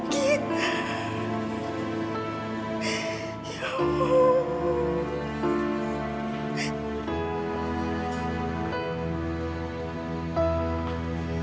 kenapa anak saya dokter